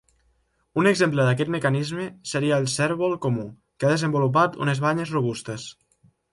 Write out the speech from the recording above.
Un exemple d'aquest mecanisme seria el cérvol comú que ha desenvolupat unes banyes robustes.